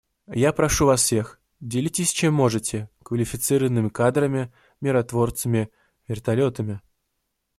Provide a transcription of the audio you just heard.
Я прошу вас всех: делитесь, чем можете, — квалифицированными кадрами, миротворцами, вертолетами.